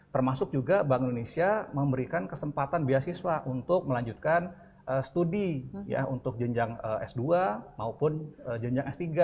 termasuk juga bank indonesia memberikan kesempatan beasiswa untuk melanjutkan studi ya untuk jenjang s dua maupun jenjang s tiga